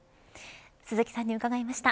鈴木さんに伺いました。